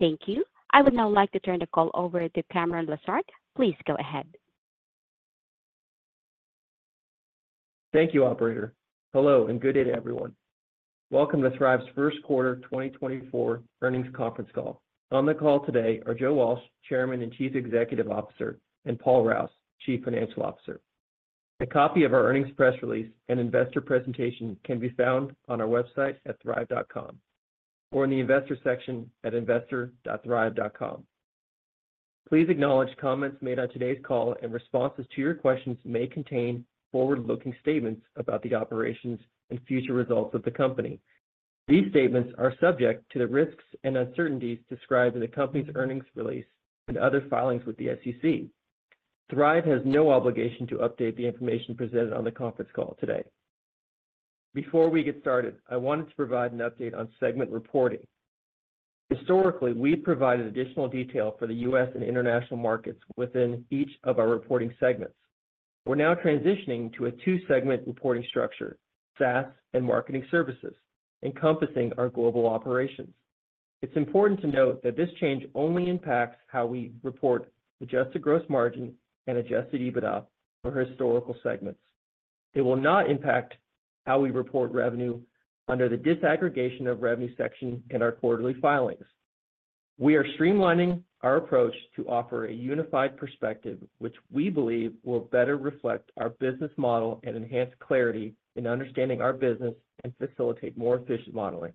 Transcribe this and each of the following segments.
Thank you. I would now like to turn the call over to Cameron Lessard. Please go ahead. Thank you, operator. Hello, and good day, everyone. Welcome to Thryv's First Quarter 2024 Earnings Conference Call. On the call today are Joe Walsh, Chairman and Chief Executive Officer, and Paul Rouse, Chief Financial Officer. A copy of our earnings press release and investor presentation can be found on our website at thryv.com or in the investor section at investor.thryv.com. Please acknowledge comments made on today's call, and responses to your questions may contain forward-looking statements about the operations and future results of the company. These statements are subject to the risks and uncertainties described in the company's earnings release and other filings with the SEC. Thryv has no obligation to update the information presented on the conference call today. Before we get started, I wanted to provide an update on segment reporting. Historically, we've provided additional detail for the U.S. and international markets within each of our reporting segments. We're now transitioning to a two-segment reporting structure, SaaS and Marketing Services, encompassing our global operations. It's important to note that this change only impacts how we report Adjusted Gross Margin and Adjusted EBITDA for historical segments. It will not impact how we report revenue under the disaggregation of revenue section and our quarterly filings. We are streamlining our approach to offer a unified perspective, which we believe will better reflect our business model and enhance clarity in understanding our business and facilitate more efficient modeling.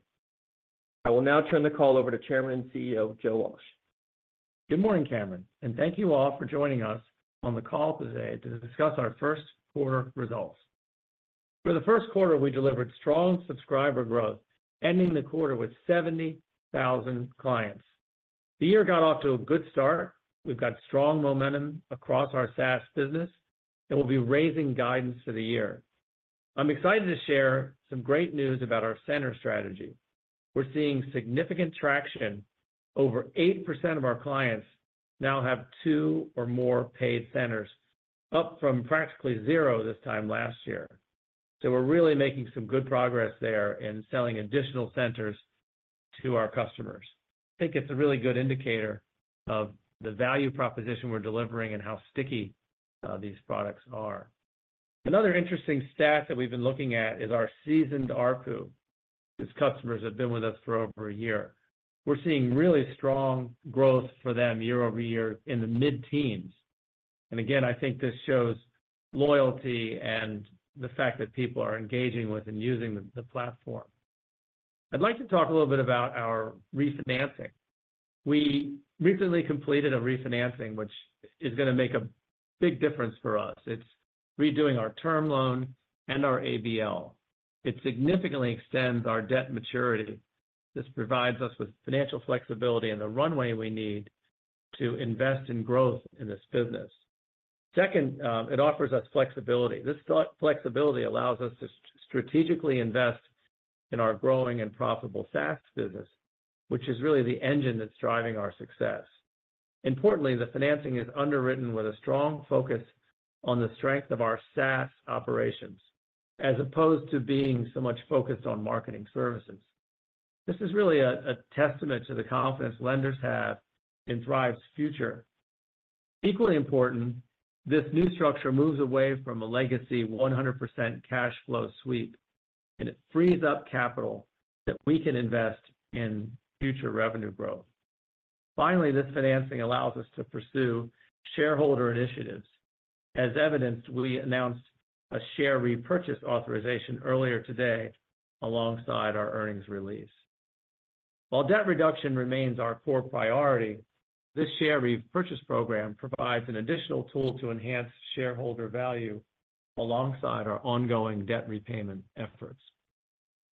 I will now turn the call over to Chairman and CEO Joe Walsh. Good morning, Cameron, and thank you all for joining us on the call today to discuss our first quarter results. For the first quarter, we delivered strong subscriber growth, ending the quarter with 70,000 clients. The year got off to a good start. We've got strong momentum across our SaaS business, and we'll be raising guidance for the year. I'm excited to share some great news about our center strategy. We're seeing significant traction: over 8% of our clients now have two or more paid centers, up from practically zero this time last year. So we're really making some good progress there in selling additional centers to our customers. I think it's a really good indicator of the value proposition we're delivering and how sticky these products are. Another interesting stat that we've been looking at is our seasoned ARPU, whose customers have been with us for over a year. We're seeing really strong growth for them year-over-year in the mid-teens. And again, I think this shows loyalty and the fact that people are engaging with and using the platform. I'd like to talk a little bit about our refinancing. We recently completed a refinancing, which is going to make a big difference for us. It's redoing our term loan and our ABL. It significantly extends our debt maturity. This provides us with financial flexibility and the runway we need to invest in growth in this business. Second, it offers us flexibility. This flexibility allows us to strategically invest in our growing and profitable SaaS business, which is really the engine that's driving our success. Importantly, the financing is underwritten with a strong focus on the strength of our SaaS operations, as opposed to being so much focused on Marketing Services. This is really a testament to the confidence lenders have in Thryv's future. Equally important, this new structure moves away from a legacy 100% cash flow sweep, and it frees up capital that we can invest in future revenue growth. Finally, this financing allows us to pursue shareholder initiatives. As evidenced, we announced a share repurchase authorization earlier today alongside our earnings release. While debt reduction remains our core priority, this share repurchase program provides an additional tool to enhance shareholder value alongside our ongoing debt repayment efforts.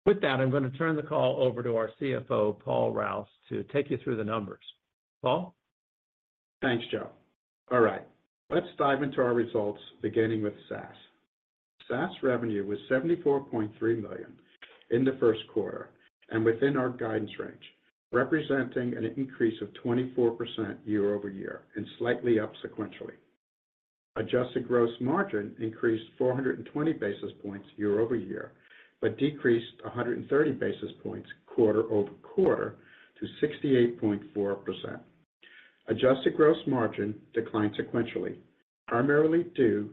With that, I'm going to turn the call over to our CFO, Paul Rouse, to take you through the numbers. Paul? Thanks, Joe. All right. Let's dive into our results, beginning with SaaS. SaaS revenue was $74.3 million in the first quarter and within our guidance range, representing an increase of 24% year-over-year and slightly up sequentially. Adjusted gross margin increased 420 basis points year-over-year but decreased 130 basis points quarter-over-quarter to 68.4%. Adjusted gross margin declined sequentially, primarily due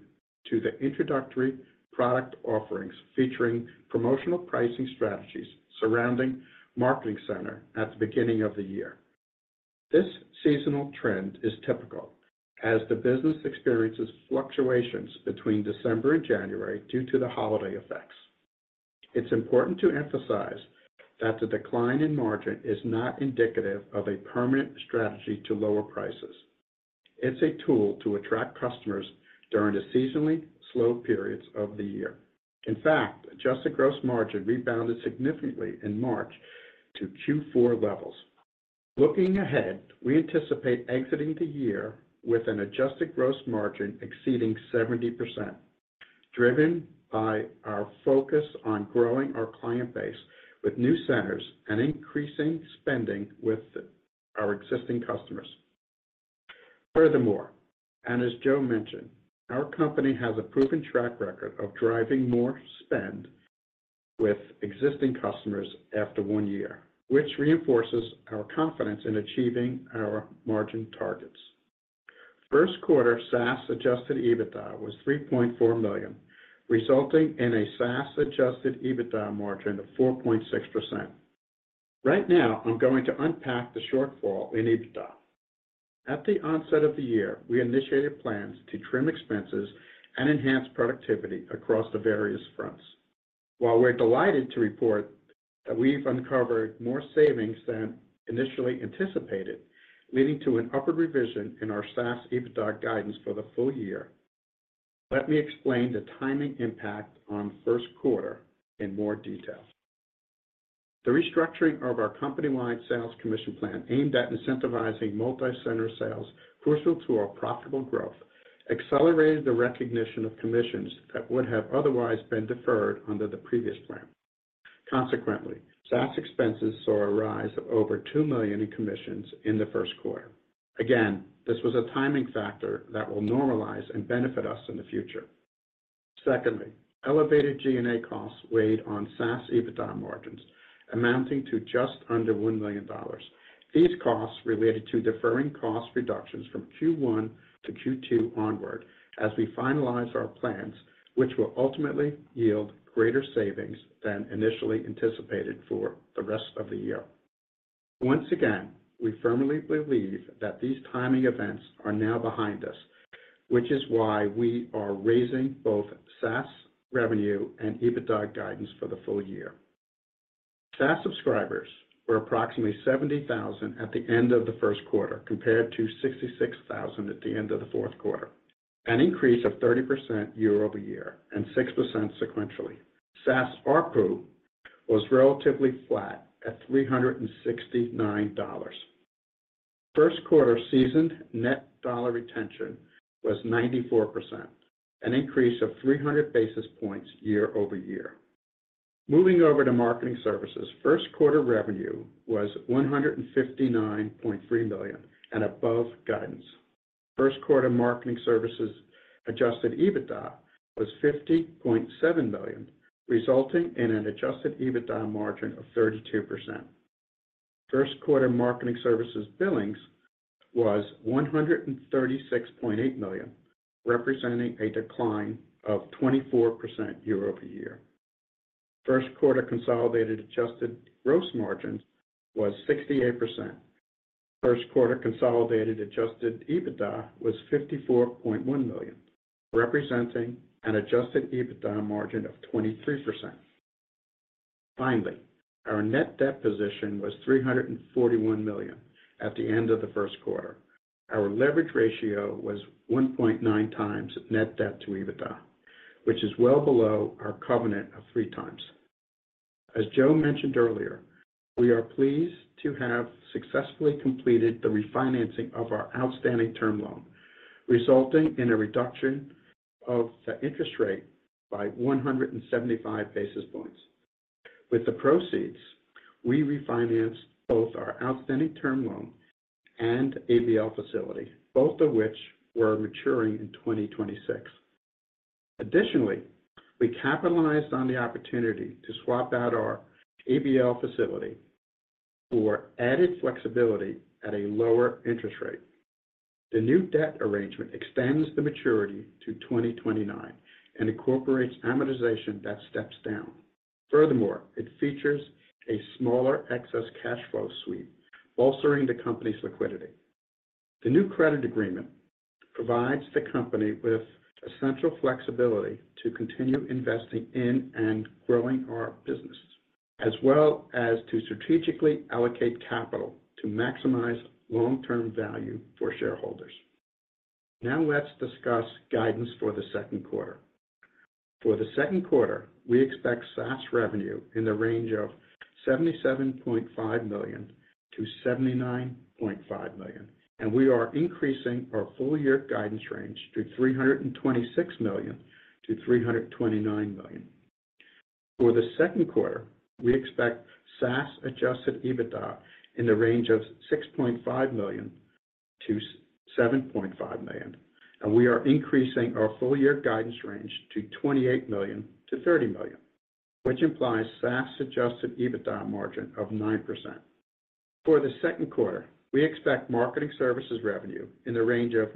to the introductory product offerings featuring promotional pricing strategies surrounding Marketing Center at the beginning of the year. This seasonal trend is typical, as the business experiences fluctuations between December and January due to the holiday effects. It's important to emphasize that the decline in margin is not indicative of a permanent strategy to lower prices. It's a tool to attract customers during the seasonally slow periods of the year. In fact, adjusted gross margin rebounded significantly in March to Q4 levels. Looking ahead, we anticipate exiting the year with an adjusted gross margin exceeding 70%, driven by our focus on growing our client base with new centers and increasing spending with our existing customers. Furthermore, and as Joe mentioned, our company has a proven track record of driving more spend with existing customers after one year, which reinforces our confidence in achieving our margin targets. First quarter SaaS Adjusted EBITDA was $3.4 million, resulting in a SaaS Adjusted EBITDA margin of 4.6%. Right now, I'm going to unpack the shortfall in EBITDA. At the onset of the year, we initiated plans to trim expenses and enhance productivity across the various fronts. While we're delighted to report that we've uncovered more savings than initially anticipated, leading to an upward revision in our SaaS EBITDA guidance for the full year, let me explain the timing impact on first quarter in more detail. The restructuring of our company-wide sales commission plan aimed at incentivizing multi-center sales crucial to our profitable growth accelerated the recognition of commissions that would have otherwise been deferred under the previous plan. Consequently, SaaS expenses saw a rise of over $2 million in commissions in the first quarter. Again, this was a timing factor that will normalize and benefit us in the future. Secondly, elevated G&A costs weighed on SaaS EBITDA margins, amounting to just under $1 million. These costs related to deferring cost reductions from Q1 to Q2 onward as we finalize our plans, which will ultimately yield greater savings than initially anticipated for the rest of the year. Once again, we firmly believe that these timing events are now behind us, which is why we are raising both SaaS revenue and EBITDA guidance for the full year. SaaS subscribers were approximately 70,000 at the end of the first quarter compared to 66,000 at the end of the fourth quarter, an increase of 30% year-over-year and 6% sequentially. SaaS ARPU was relatively flat at $369. First quarter seasoned net dollar retention was 94%, an increase of 300 basis points year-over-year. Moving over to Marketing Services, first quarter revenue was $159.3 million and above guidance. First quarter Marketing Services Adjusted EBITDA was $50.7 million, resulting in an Adjusted EBITDA margin of 32%. First quarter Marketing Services billings was $136.8 million, representing a decline of 24% year-over-year. First quarter consolidated adjusted gross margins was 68%. First quarter consolidated Adjusted EBITDA was $54.1 million, representing an adjusted EBITDA margin of 23%. Finally, our net debt position was $341 million at the end of the first quarter. Our leverage ratio was 1.9x net debt to EBITDA, which is well below our covenant of three times. As Joe mentioned earlier, we are pleased to have successfully completed the refinancing of our outstanding term loan, resulting in a reduction of the interest rate by 175 basis points. With the proceeds, we refinanced both our outstanding term loan and ABL facility, both of which were maturing in 2026. Additionally, we capitalized on the opportunity to swap out our ABL facility for added flexibility at a lower interest rate. The new debt arrangement extends the maturity to 2029 and incorporates amortization that steps down. Furthermore, it features a smaller excess cash flow sweep, bolstering the company's liquidity. The new credit agreement provides the company with essential flexibility to continue investing in and growing our business, as well as to strategically allocate capital to maximize long-term value for shareholders. Now let's discuss guidance for the second quarter. For the second quarter, we expect SaaS revenue in the range of $77.5 million-$79.5 million, and we are increasing our full-year guidance range to $326 million-$329 million. For the second quarter, we expect SaaS Adjusted EBITDA in the range of $6.5 million-$7.5 million, and we are increasing our full-year guidance range to $28 million-$30 million, which implies SaaS Adjusted EBITDA margin of 9%. For the second quarter, we expect Marketing Services revenue in the range of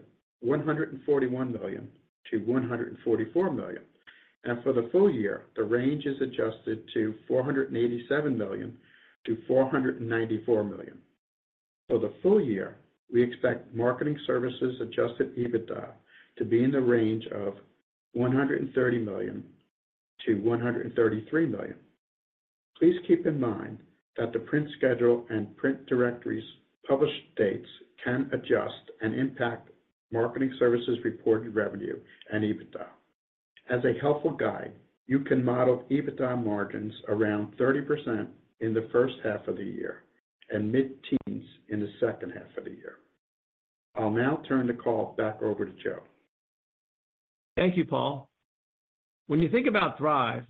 $141 million-$144 million, and for the full year, the range is adjusted to $487 million-$494 million. For the full year, we expect Marketing Services Adjusted EBITDA to be in the range of $130 million-$133 million. Please keep in mind that the print schedule and print directories' published dates can adjust and impact Marketing Services reported revenue and EBITDA. As a helpful guide, you can model EBITDA margins around 30% in the first half of the year and mid-teens in the second half of the year. I'll now turn the call back over to Joe. Thank you, Paul. When you think about Thryv,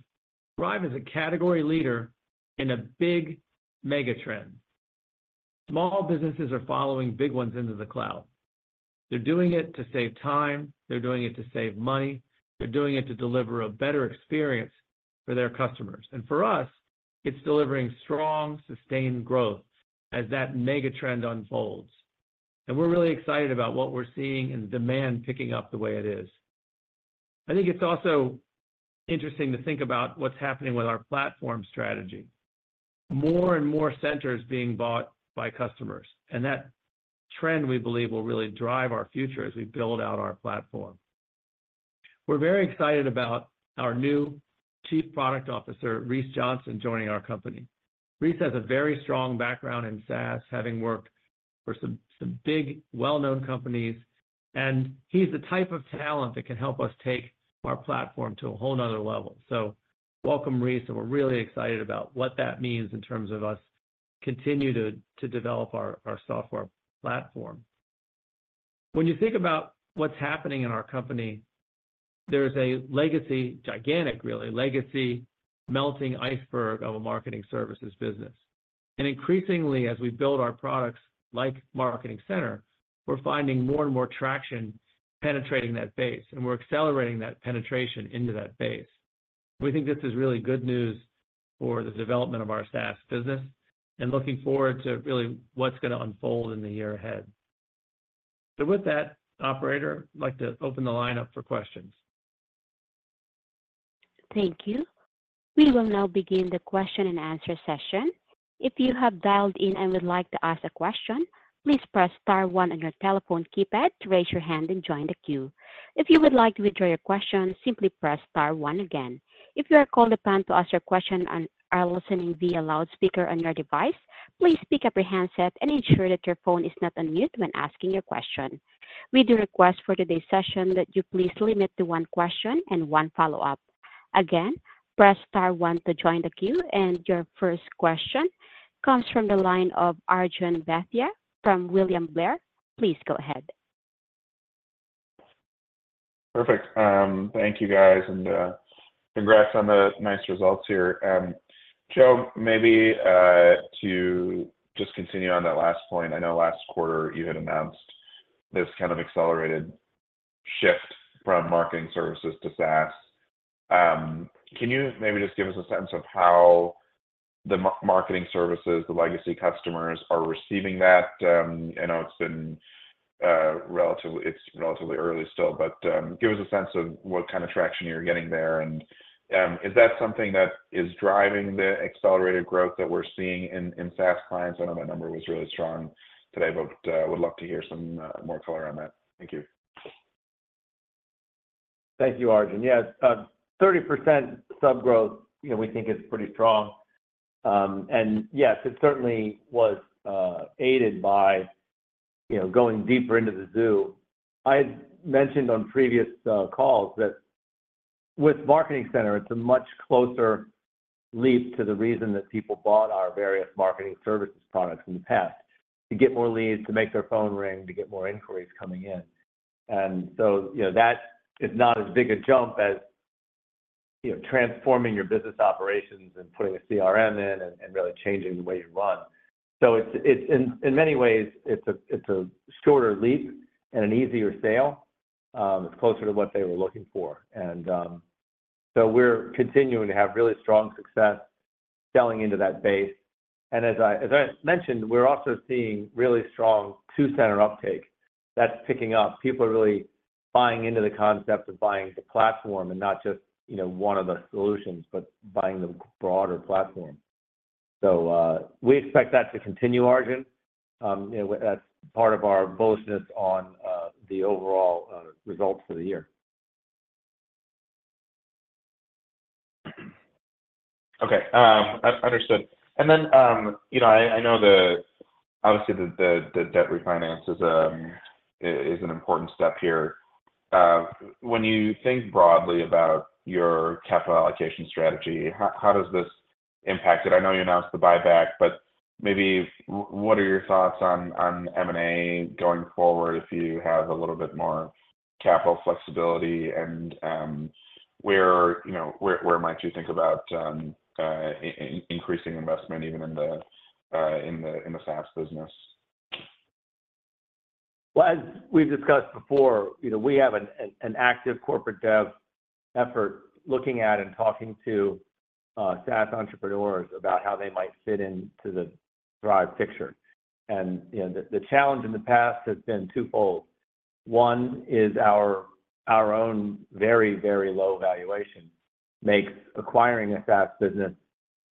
Thryv is a category leader in a big mega trend. Small businesses are following big ones into the cloud. They're doing it to save time. They're doing it to save money. They're doing it to deliver a better experience for their customers. For us, it's delivering strong, sustained growth as that mega trend unfolds. We're really excited about what we're seeing and demand picking up the way it is. I think it's also interesting to think about what's happening with our platform strategy: more and more centers being bought by customers. That trend, we believe, will really drive our future as we build out our platform. We're very excited about our new Chief Product Officer, Rees Johnson, joining our company. Rees has a very strong background in SaaS, having worked for some big, well-known companies. And he's the type of talent that can help us take our platform to a whole another level. So welcome, Rees. And we're really excited about what that means in terms of us continuing to develop our software platform. When you think about what's happening in our company, there's a legacy, gigantic, really, legacy melting iceberg of a marketing services business. And increasingly, as we build our products like Marketing Center, we're finding more and more traction penetrating that base. And we're accelerating that penetration into that base. We think this is really good news for the development of our SaaS business and looking forward to, really, what's going to unfold in the year ahead. So with that, Operator, I'd like to open the line up for questions. Thank you. We will now begin the question-and-answer session. If you have dialed in and would like to ask a question, please press star one on your telephone keypad to raise your hand and join the queue. If you would like to withdraw your question, simply press star one again. If you are called upon to ask your question and are listening via loudspeaker on your device, please pick up your handset and ensure that your phone is not unmuted when asking your question. We do request for today's session that you please limit to one question and one follow-up. Again, press star one to join the queue. And your first question comes from the line of Arjun Bhatia from William Blair. Please go ahead. Perfect. Thank you, guys. Congrats on the nice results here. Joe, maybe to just continue on that last point, I know last quarter you had announced this kind of accelerated shift from Marketing Services to SaaS. Can you maybe just give us a sense of how the Marketing Services, the legacy customers, are receiving that? I know it's relatively early still, but give us a sense of what kind of traction you're getting there. Is that something that is driving the accelerated growth that we're seeing in SaaS clients? I know that number was really strong today, but would love to hear some more color on that. Thank you. Thank you, Arjun. Yeah, 30% subgrowth, we think, is pretty strong. Yes, it certainly was aided by going deeper into the zoo. I had mentioned on previous calls that with Marketing Center, it's a much closer leap to the reason that people bought our various Marketing Services products in the past: to get more leads, to make their phone ring, to get more inquiries coming in. That is not as big a jump as transforming your business operations and putting a CRM in and really changing the way you run. In many ways, it's a shorter leap and an easier sale. It's closer to what they were looking for. We're continuing to have really strong success selling into that base. As I mentioned, we're also seeing really strong two-center uptake. That's picking up. People are really buying into the concept of buying the platform and not just one of the solutions, but buying the broader platform. So we expect that to continue, Arjun. That's part of our bullishness on the overall results for the year. Okay. Understood. And then I know, obviously, that debt refinance is an important step here. When you think broadly about your capital allocation strategy, how does this impact it? I know you announced the buyback, but maybe what are your thoughts on M&A going forward if you have a little bit more capital flexibility? And where might you think about increasing investment, even in the SaaS business? Well, as we've discussed before, we have an active corporate dev effort looking at and talking to SaaS entrepreneurs about how they might fit into the Thryv picture. And the challenge in the past has been twofold. One is our own very, very low valuation makes acquiring a SaaS business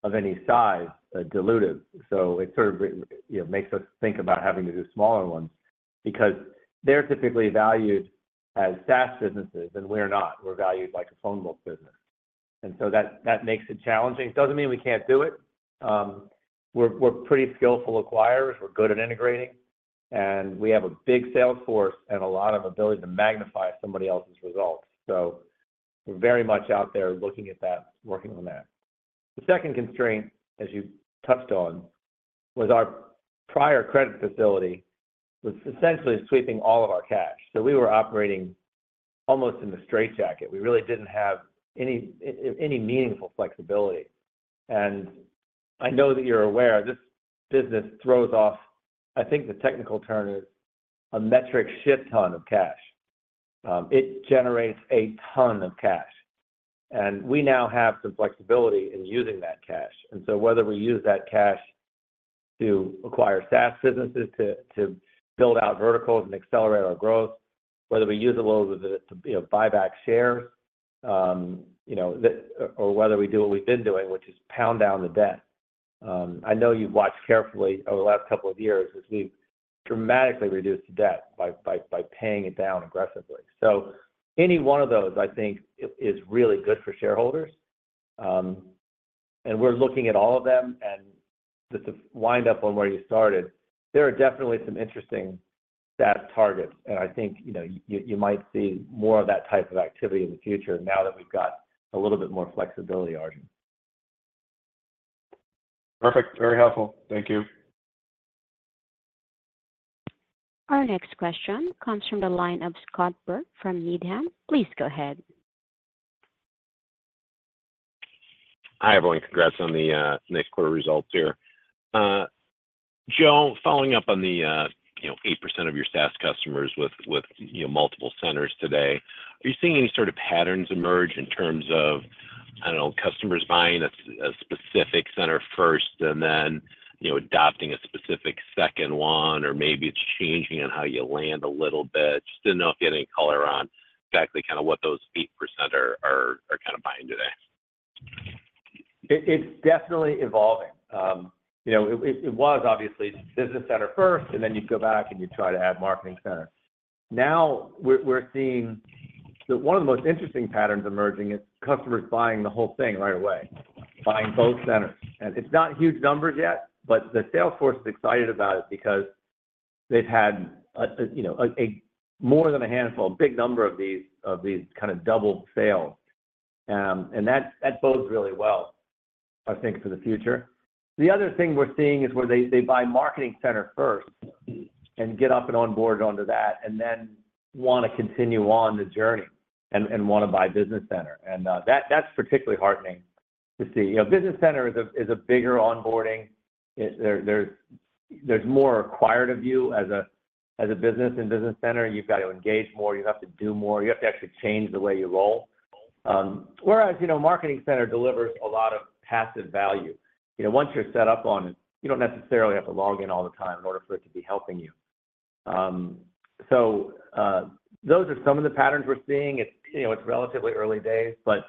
of any size dilutive. So it sort of makes us think about having to do smaller ones because they're typically valued as SaaS businesses, and we're not. We're valued like a phone book business. And so that makes it challenging. It doesn't mean we can't do it. We're pretty skillful acquirers. We're good at integrating. And we have a big sales force and a lot of ability to magnify somebody else's results. So we're very much out there looking at that, working on that. The second constraint, as you touched on, was our prior credit facility was essentially sweeping all of our cash. So we were operating almost in the straight jacket. We really didn't have any meaningful flexibility. And I know that you're aware, this business throws off, I think the technical term is, a metric shit ton of cash. It generates a ton of cash. And we now have some flexibility in using that cash. And so whether we use that cash to acquire SaaS businesses, to build out verticals and accelerate our growth, whether we use it a little bit to buy back shares, or whether we do what we've been doing, which is pound down the debt. I know you've watched carefully over the last couple of years as we've dramatically reduced debt by paying it down aggressively. So any one of those, I think, is really good for shareholders. We're looking at all of them. Just to wind up on where you started, there are definitely some interesting SaaS targets. I think you might see more of that type of activity in the future now that we've got a little bit more flexibility, Arjun. Perfect. Very helpful. Thank you. Our next question comes from the line of Scott Berg from Needham. Please go ahead. Hi, everyone. Congrats on the next quarter results here. Joe, following up on the 8% of your SaaS customers with multiple centers today, are you seeing any sort of patterns emerge in terms of, I don't know, customers buying a specific center first and then adopting a specific second one, or maybe it's changing on how you land a little bit? Just didn't know if you had any color on exactly kind of what those 8% are kind of buying today. It's definitely evolving. It was, obviously, Business Center first, and then you'd go back and you'd try to add Marketing Center. Now we're seeing that one of the most interesting patterns emerging is customers buying the whole thing right away, buying both centers. And it's not huge numbers yet, but the sales force is excited about it because they've had more than a handful, a big number of these kind of double sales. And that bodes really well, I think, for the future. The other thing we're seeing is where they buy Marketing Center first and get up and onboard onto that and then want to continue on the journey and want to buy Business Center. And that's particularly heartening to see. Business Center is a bigger onboarding. There's more acquired of you as a business in Business Center. You've got to engage more. You have to do more. You have to actually change the way you roll. Whereas Marketing Center delivers a lot of passive value. Once you're set up on it, you don't necessarily have to log in all the time in order for it to be helping you. So those are some of the patterns we're seeing. It's relatively early days, but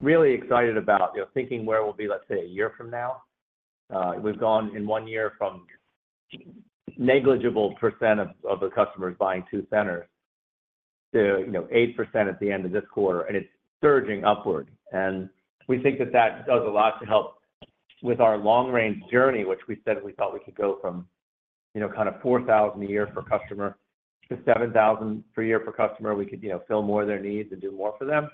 really excited about thinking where we'll be, let's say, a year from now. We've gone in one year from negligible % of the customers buying two centers to 8% at the end of this quarter. It's surging upward. We think that that does a lot to help with our long-range journey, which we said we thought we could go from kind of 4,000 a year per customer to 7,000 per year per customer. We could fill more of their needs and do more for them.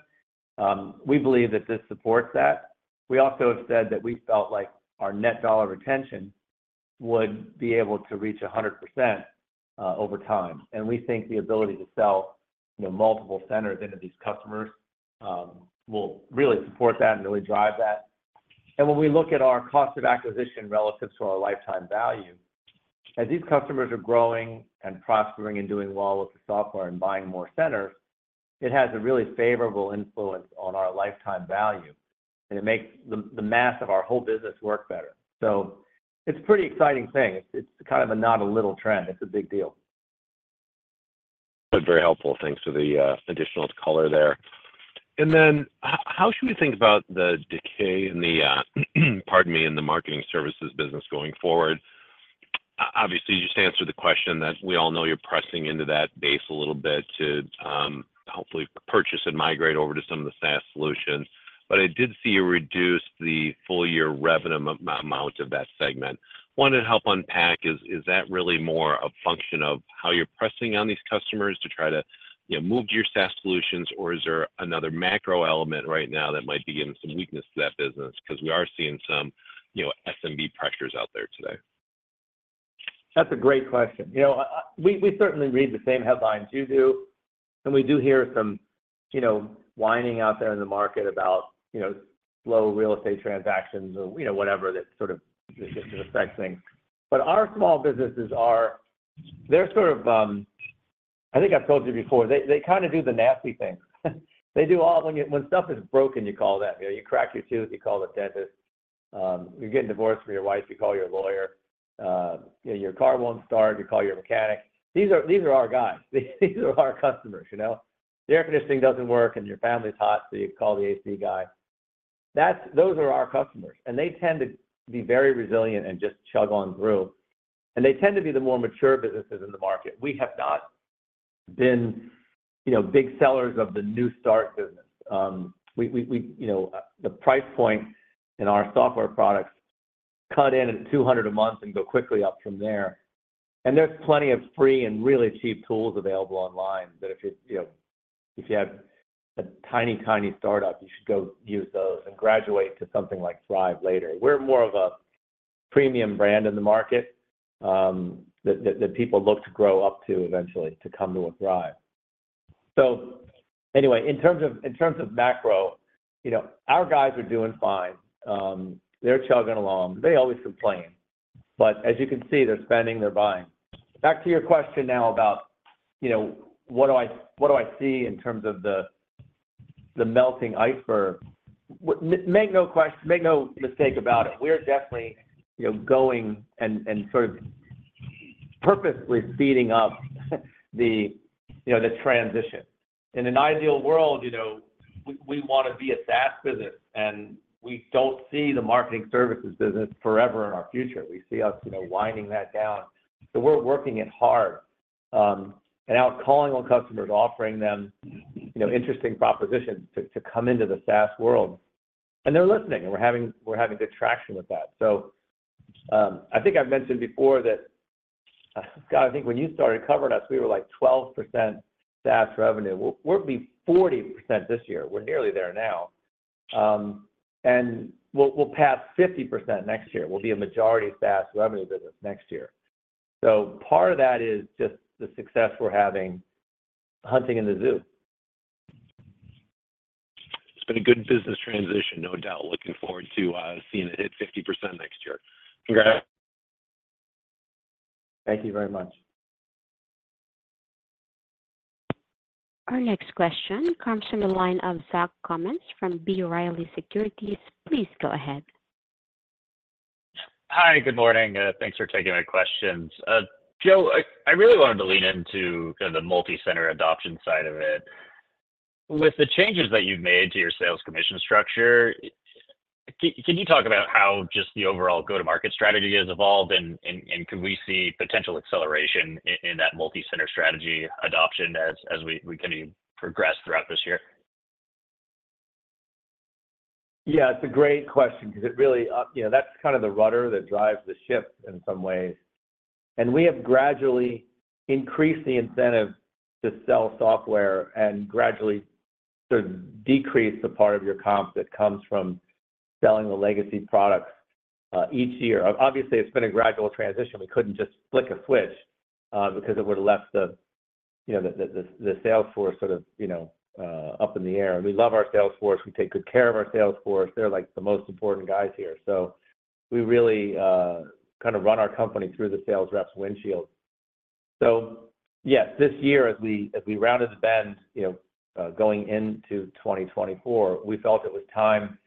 We believe that this supports that. We also have said that we felt like our net dollar retention would be able to reach 100% over time. And we think the ability to sell multiple centers into these customers will really support that and really drive that. And when we look at our cost of acquisition relative to our lifetime value, as these customers are growing and prospering and doing well with the software and buying more centers, it has a really favorable influence on our lifetime value. And it makes the mass of our whole business work better. So it's a pretty exciting thing. It's kind of a not-a-little trend. It's a big deal. Good. Very helpful. Thanks for the additional color there. Then how should we think about the decay and the, pardon me, in the marketing services business going forward? Obviously, you just answered the question that we all know you're pressing into that base a little bit to hopefully purchase and migrate over to some of the SaaS solutions. I did see you reduce the full-year revenue amount of that segment. Want to help unpack is, is that really more a function of how you're pressing on these customers to try to move to your SaaS solutions, or is there another macro element right now that might be giving some weakness to that business? Because we are seeing some SMB pressures out there today. That's a great question. We certainly read the same headlines you do. We do hear some whining out there in the market about slow real estate transactions or whatever that sort of just affects things. But our small businesses, they're sort of - I think I've told you before - they kind of do the nasty things. They do all - when stuff is broken, you call them. You crack your tooth, you call the dentist. You're getting divorced from your wife, you call your lawyer. Your car won't start, you call your mechanic. These are our guys. These are our customers. The air conditioning doesn't work, and your family's hot, so you call the AC guy. Those are our customers. And they tend to be very resilient and just chug on through. And they tend to be the more mature businesses in the market. We have not been big sellers of the new start business. The price point in our software products cut in at $200 a month and go quickly up from there. There's plenty of free and really cheap tools available online that if you have a tiny, tiny startup, you should go use those and graduate to something like Thryv later. We're more of a premium brand in the market that people look to grow up to eventually, to come to with Thryv. So anyway, in terms of macro, our guys are doing fine. They're chugging along. They always complain. But as you can see, they're spending, they're buying. Back to your question now about what do I see in terms of the melting iceberg? Make no mistake about it. We're definitely going and sort of purposely speeding up the transition. In an ideal world, we want to be a SaaS business. And we don't see the Marketing Services business forever in our future. We see us winding that down. So we're working it hard. And now calling on customers, offering them interesting propositions to come into the SaaS world. And they're listening. And we're having good traction with that. So I think I've mentioned before that, Scott, I think when you started covering us, we were like 12% SaaS revenue. We'll be 40% this year. We're nearly there now. And we'll pass 50% next year. We'll be a majority SaaS revenue business next year. So part of that is just the success we're having hunting in the zoo. It's been a good business transition, no doubt. Looking forward to seeing it hit 50% next year. Congrats. Thank you very much. Our next question comes from the line of Zach Cummins from B. Riley Securities. Please go ahead. Hi. Good morning. Thanks for taking my questions. Joe, I really wanted to lean into kind of the multi-center adoption side of it. With the changes that you've made to your sales commission structure, can you talk about how just the overall go-to-market strategy has evolved? And could we see potential acceleration in that multi-center strategy adoption as we continue to progress throughout this year? Yeah. It's a great question because it really—that's kind of the rudder that drives the ship in some ways. And we have gradually increased the incentive to sell software and gradually sort of decreased the part of your comp that comes from selling the legacy products each year. Obviously, it's been a gradual transition. We couldn't just flick a switch because it would have left the sales force sort of up in the air. And we love our sales force. We take good care of our sales force. They're the most important guys here. So we really kind of run our company through the sales reps windshield. So yes, this year, as we rounded the bend going into 2024, we felt it was time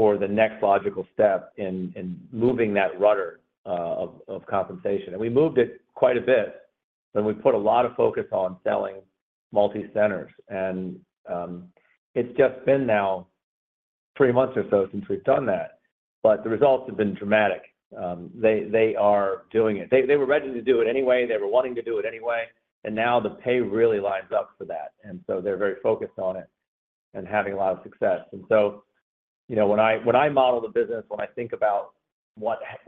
for the next logical step in moving that rudder of compensation. And we moved it quite a bit. We put a lot of focus on selling multi-centers. It's just been three months or so since we've done that. But the results have been dramatic. They are doing it. They were ready to do it anyway. They were wanting to do it anyway. Now the pay really lines up for that. So they're very focused on it and having a lot of success. So when I model the business, when I think about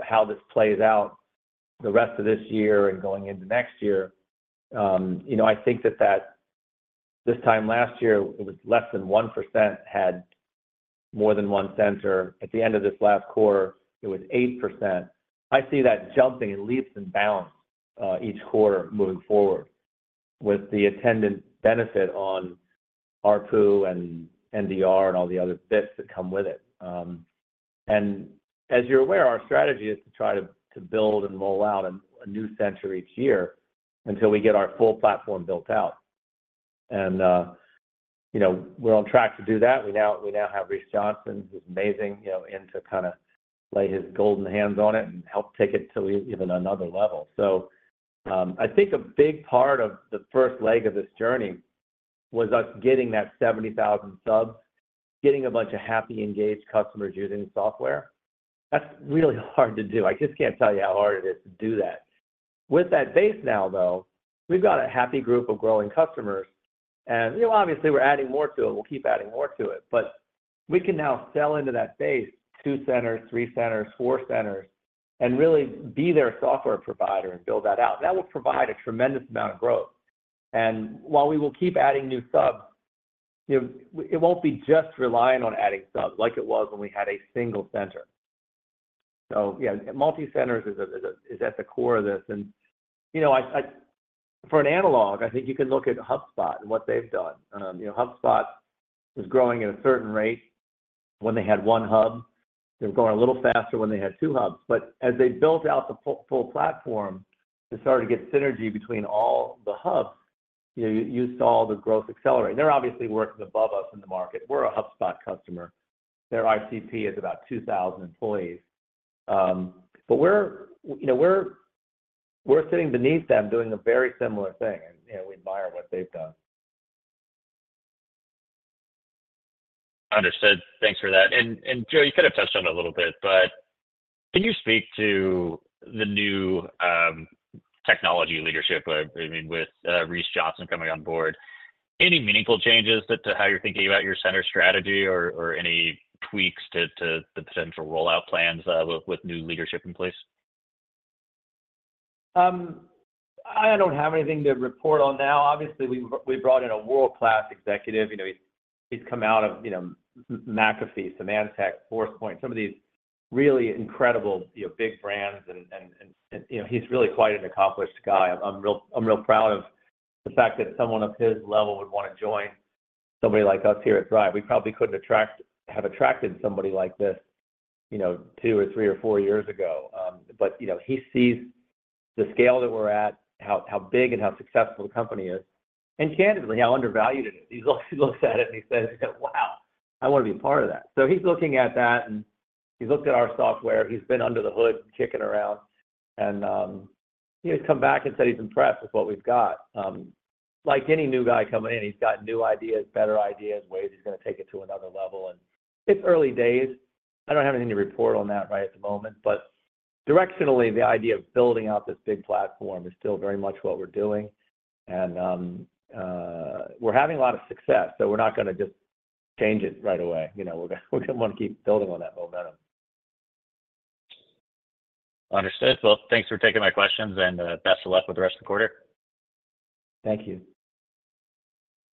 how this plays out the rest of this year and going into next year, I think that this time last year, it was less than 1% had more than one center. At the end of this last quarter, it was 8%. I see that jumping in leaps and bounds each quarter moving forward with the attendant benefit on RPU and NDR and all the other bits that come with it. As you're aware, our strategy is to try to build and roll out a new center each year until we get our full platform built out. We're on track to do that. We now have Rees Johnson, who's amazing, in to kind of lay his golden hands on it and help take it to even another level. So I think a big part of the first leg of this journey was us getting that 70,000 subs, getting a bunch of happy, engaged customers using the software. That's really hard to do. I just can't tell you how hard it is to do that. With that base now, though, we've got a happy group of growing customers. And obviously, we're adding more to it. We'll keep adding more to it. But we can now sell into that base two centers, three centers, four centers, and really be their software provider and build that out. And that will provide a tremendous amount of growth. And while we will keep adding new subs, it won't be just relying on adding subs like it was when we had a single center. So yeah, multi-centers is at the core of this. And for an analog, I think you can look at HubSpot and what they've done. HubSpot was growing at a certain rate when they had one hub. They were going a little faster when they had two hubs. But as they built out the full platform and started to get synergy between all the hubs, you saw the growth accelerate. And they're obviously working above us in the market. We're a HubSpot customer. Their ICP is about 2,000 employees. We're sitting beneath them doing a very similar thing. We admire what they've done. Understood. Thanks for that. And Joe, you kind of touched on it a little bit, but can you speak to the new technology leadership, I mean, with Rees Johnson coming on board, any meaningful changes to how you're thinking about your center strategy or any tweaks to the potential rollout plans with new leadership in place? I don't have anything to report on now. Obviously, we brought in a world-class executive. He's come out of McAfee, Symantec, Forcepoint, some of these really incredible big brands. He's really quite an accomplished guy. I'm real proud of the fact that someone of his level would want to join somebody like us here at Thryv. We probably couldn't have attracted somebody like this two or three or four years ago. But he sees the scale that we're at, how big and how successful the company is, and candidly, how undervalued it is. He looks at it and he says, "Wow. I want to be a part of that." So he's looking at that. He's looked at our software. He's been under the hood kicking around. He's come back and said he's impressed with what we've got. Like any new guy coming in, he's got new ideas, better ideas, ways he's going to take it to another level. And it's early days. I don't have anything to report on that right at the moment. But directionally, the idea of building out this big platform is still very much what we're doing. And we're having a lot of success. So we're not going to just change it right away. We're going to want to keep building on that momentum. Understood. Well, thanks for taking my questions. Best of luck with the rest of the quarter. Thank you.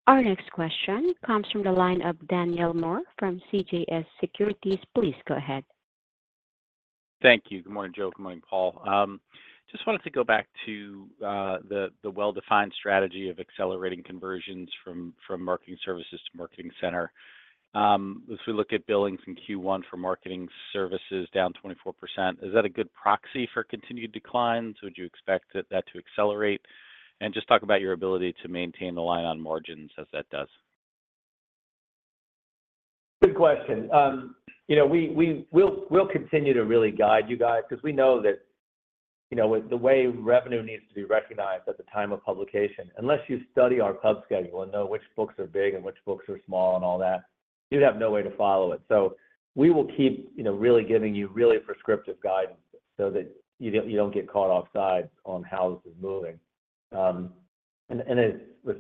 Our next question comes from the line of Daniel Moore from CJS Securities. Please go ahead. Thank you. Good morning, Joe. Good morning, Paul. Just wanted to go back to the well-defined strategy of accelerating conversions from Marketing Services to Marketing Center. As we look at billings in Q1 for Marketing Services down 24%, is that a good proxy for continued declines? Would you expect that to accelerate? Just talk about your ability to maintain the line on margins as that does. Good question. We'll continue to really guide you guys because we know that the way revenue needs to be recognized at the time of publication, unless you study our pub schedule and know which books are big and which books are small and all that, you have no way to follow it. So we will keep really giving you really prescriptive guidance so that you don't get caught offside on how this is moving. And as was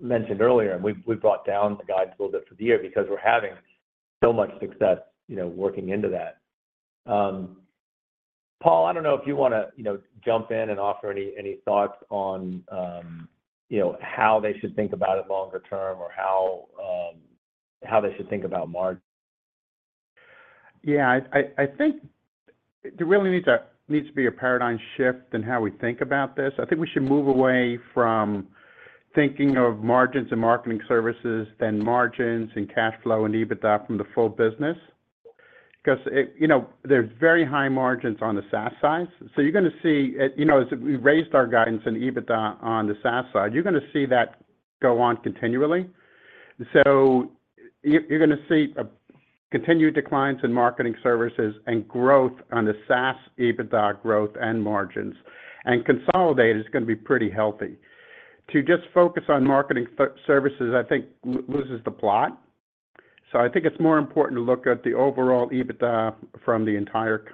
mentioned earlier, we've brought down the guidance a little bit for the year because we're having so much success working into that. Paul, I don't know if you want to jump in and offer any thoughts on how they should think about it longer term or how they should think about margins. Yeah. I think there really needs to be a paradigm shift in how we think about this. I think we should move away from thinking of margins and Marketing Services than margins and cash flow and EBITDA from the full business because there's very high margins on the SaaS side. So you're going to see as we raised our guidance and EBITDA on the SaaS side, you're going to see that go on continually. So you're going to see continued declines in Marketing Services and growth on the SaaS EBITDA growth and margins. And consolidate is going to be pretty healthy. To just focus on Marketing Services, I think, loses the plot. So I think it's more important to look at the overall EBITDA from the entire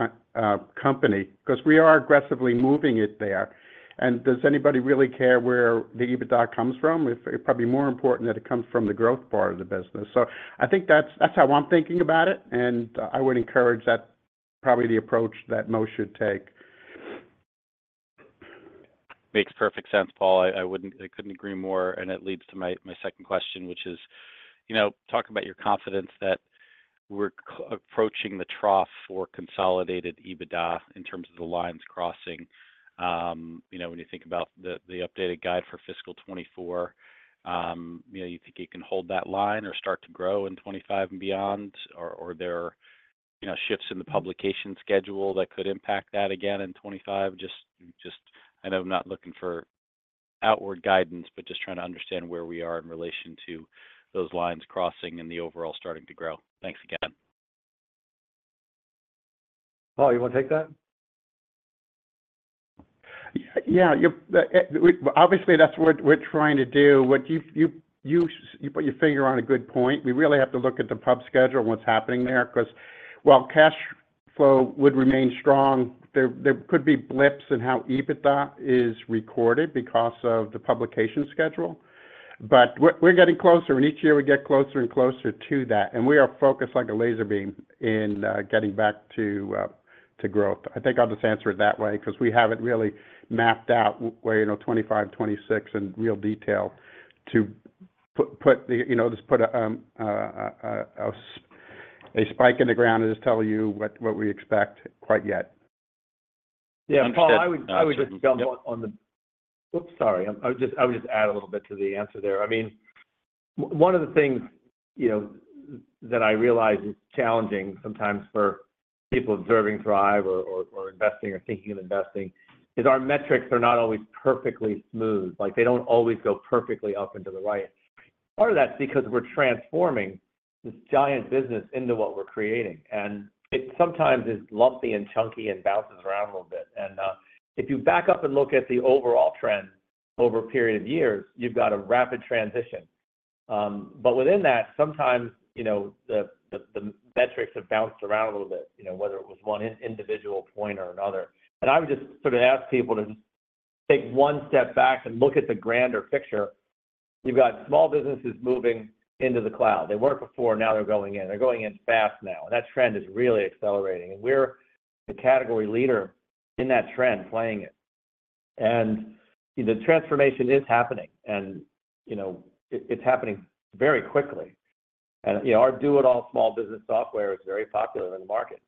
company because we are aggressively moving it there. And does anybody really care where the EBITDA comes from? It's probably more important that it comes from the growth part of the business. So I think that's how I'm thinking about it. And I would encourage that probably the approach that most should take. Makes perfect sense, Paul. I couldn't agree more. And it leads to my second question, which is talking about your confidence that we're approaching the trough for consolidated EBITDA in terms of the lines crossing. When you think about the updated guide for fiscal 2024, you think you can hold that line or start to grow in 2025 and beyond? Or are there shifts in the publication schedule that could impact that again in 2025? I know I'm not looking for outward guidance, but just trying to understand where we are in relation to those lines crossing and the overall starting to grow. Thanks again. Paul, you want to take that? Yeah. Obviously, that's what we're trying to do. You put your finger on a good point. We really have to look at the pub schedule and what's happening there because, while cash flow would remain strong, there could be blips in how EBITDA is recorded because of the publication schedule. But we're getting closer. And each year, we get closer and closer to that. And we are focused like a laser beam in getting back to growth. I think I'll just answer it that way because we haven't really mapped out where 2025, 2026 in real detail to just put a spike in the ground and just tell you what we expect quite yet. Yeah. And Paul, I would just jump on the oops, sorry. I would just add a little bit to the answer there. I mean, one of the things that I realize is challenging sometimes for people observing Thryv or investing or thinking of investing is our metrics are not always perfectly smooth. They don't always go perfectly up and to the right. Part of that's because we're transforming this giant business into what we're creating. And it sometimes is lumpy and chunky and bounces around a little bit. And if you back up and look at the overall trend over a period of years, you've got a rapid transition. But within that, sometimes the metrics have bounced around a little bit, whether it was one individual point or another. And I would just sort of ask people to just take one step back and look at the grander picture. You've got small businesses moving into the cloud. They weren't before. Now they're going in. They're going in fast now. That trend is really accelerating. We're the category leader in that trend playing it. The transformation is happening. It's happening very quickly. Our do-it-all small business software is very popular in the market.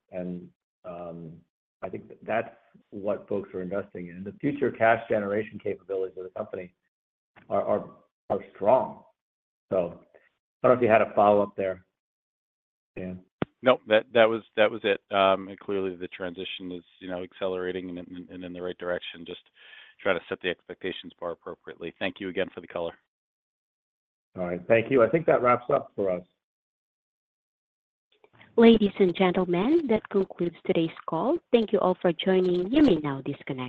I think that's what folks are investing in. The future cash generation capabilities of the company are strong. So I don't know if you had a follow-up there, Dan. Nope. That was it. And clearly, the transition is accelerating and in the right direction. Just trying to set the expectations bar appropriately. Thank you again for the color. All right. Thank you. I think that wraps up for us. Ladies and gentlemen, that concludes today's call. Thank you all for joining us. And now, disclaimer.